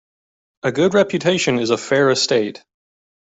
A good reputation is a fair estate.